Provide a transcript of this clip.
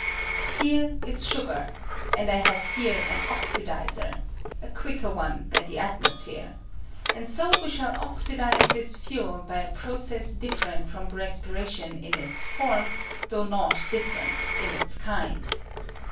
Here is sugar, and I have here an oxidizer — a quicker one than the atmosphere ; and so we shall oxidize this fuel by a process difftrent from respiration in its form, though not diflcpeat in ite kind.